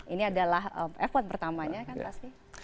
ini adalah effort pertamanya kan pasti